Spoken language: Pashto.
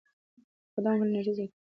قدم وهل انرژي زیاتوي.